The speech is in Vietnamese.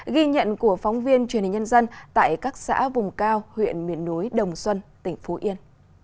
ghi nhận của phóng viên truyền hình nhân dân tại các xã vùng cao huyện miền núi đồng xuân tỉnh phú yên